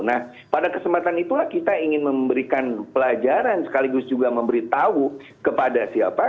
nah pada kesempatan itulah kita ingin memberikan pelajaran sekaligus juga memberitahu kepada siapa